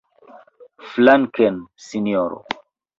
Flanken, sinjoro!